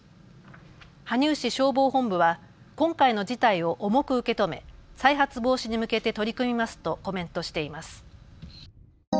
羽生市消防本部は今回の事態を重く受け止め再発防止に向けて取り組みますとコメントしています。